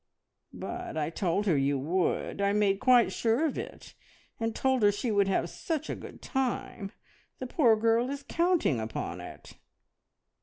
"But but I told her you would! I made quite sure of it, and told her she would have such a good time. The poor girl is counting upon it."